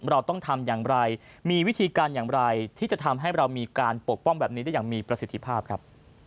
เราต้องทำอย่างไรมีวิธีการอย่างไรที่จะทำให้เรามีการปกป้องแบบนี้ได้อย่างมีประสิทธิภาพครับ